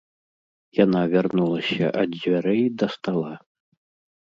Яна вярнулася ад дзвярэй да стала.